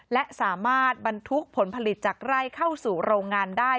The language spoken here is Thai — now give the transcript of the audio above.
และสามารถบรรทุกผลผลิตจากไร่เข้าสู่โรงงานได้